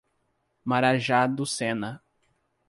Marajá do Sena